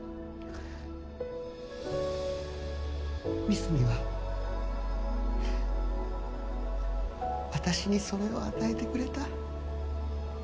三隅は私にそれを与えてくれた。